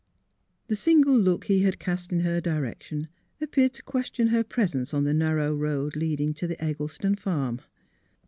The single look he had cast in her direction appeared to question her presence on the narrow road leading to the Eggleston farm.